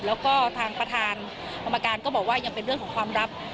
แล้วก็ทางประธานกรรมการก็บอกว่ายังเป็นเรื่องของความลับ